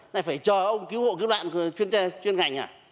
này phải cho ông cứu hộ cứu lạng chuyên ngành à